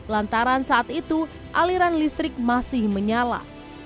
lantaran saat itu aliran listrik masih menyala